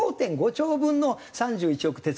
５．５兆分の３１億。